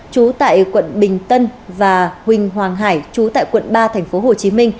trú tại quận bình tân và huỳnh hoàng hải chú tại quận ba tp hcm